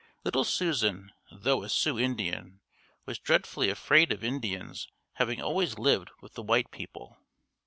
Little Susan, though a Sioux Indian, was dreadfully afraid of Indians having always lived with the white people.